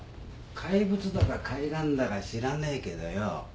怪物だか海岸だか知らねえけどよ